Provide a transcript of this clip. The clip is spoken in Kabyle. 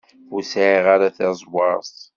Ur sɛiɣ ara taẓwert.